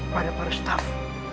pada para staff